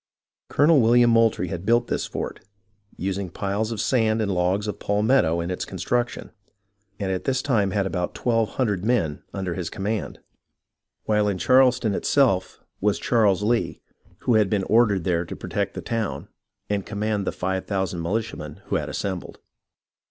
Colonel William Moultrie had built this fort, using piles of sand and logs of palmetto in its construction, and at this time had about twelve hundred men under his com mand, while in Charleston itself was Charles Lee, who had been ordered there to protect the town, and command the five thousand militiamen who had assembled.